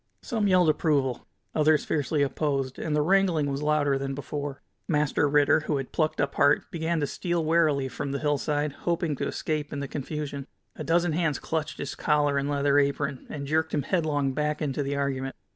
Some yelled approval, others fiercely opposed, and the wrangling was louder than before. Master Ritter, who had plucked up heart, began to steal warily from the hillside, hoping to escape in the confusion. A dozen hands clutched his collar and leather apron, and jerked him headlong back into the argument.